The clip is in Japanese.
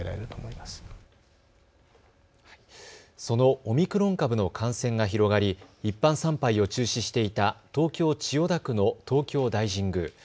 そのオミクロン株の感染が広がり一般参拝を中止していた東京千代田区の東京大神宮。